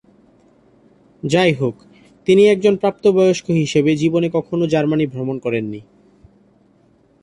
যাইহোক, তিনি একজন প্রাপ্ত বয়স্ক হিসাবে জীবনে কখনও জার্মানি ভ্রমণ করেন নি।